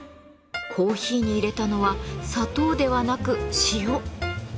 コーヒーに入れたのは砂糖ではなく塩。